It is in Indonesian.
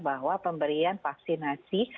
bahwa pemberian vaksinasi